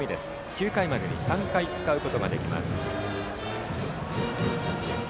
９回までに３回使うことができます。